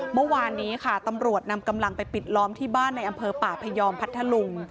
เมื่อวานนี้ค่ะตำรวจนำกำลังไปปิดล้อมที่บ้านในอำเภอป่าพยอมพัทธลุง